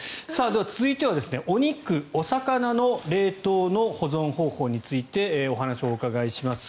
では続いてはお肉、お魚の冷凍の保存方法についてお話をお伺いします。